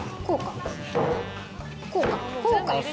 こうか。